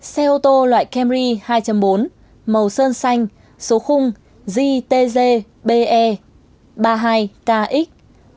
xe ô tô loại camry hai bốn màu sơn xanh số khung jtzbe ba mươi hai kx